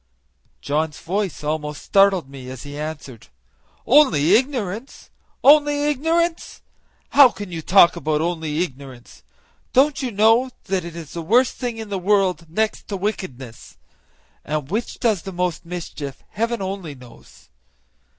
John's voice almost startled me as he answered: "Only ignorance! only ignorance! how can you talk about only ignorance? Don't you know that it is the worst thing in the world, next to wickedness? and which does the most mischief heaven only knows.